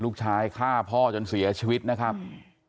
ฆ่าพ่อจนเสียชีวิตนะครับ